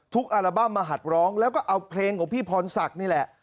อัลบั้มมาหัดร้องแล้วก็เอาเพลงของพี่พรศักดิ์นี่แหละ